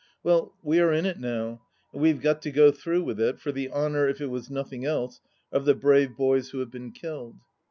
. Well, we are in it now and we have got to go through with it, for the honour, if it was nothing else, of the brave boys who have been killed.